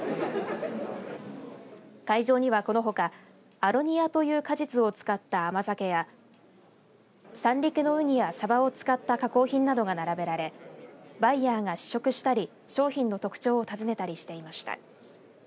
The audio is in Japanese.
会場には、このほかアロニアという果実を使った甘酒や三陸のウニやサバを使った加工品などが並べられバイヤーが試食したり商品の特徴を尋ねたりしていました。